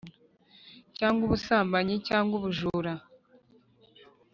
cyangwa ubusambanyi cyangwa ubujura.